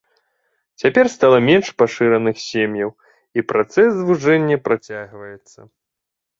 Цяпер стала менш пашыраных сем'яў, і працэс звужэння працягваецца.